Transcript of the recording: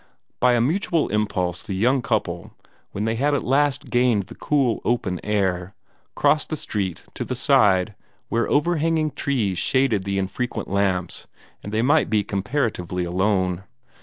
By a mutual impulse the young couple, when they had at last gained the cool open air, crossed the street to the side where over hanging trees shaded the infrequent lamps, and they might be comparatively alone.